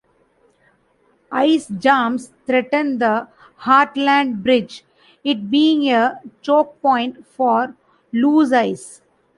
Ice jams threaten the Hartland Bridge, it being a choke point for loose ice.